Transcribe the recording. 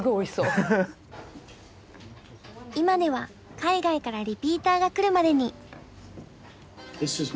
今では海外からリピーターが来るまでに。